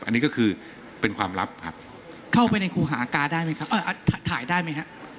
อันนี้ก็คือเป็นความลับครับเข้าไปในครูหากาได้มั้ยครับเอ่อถ่ายได้มั้ยครับ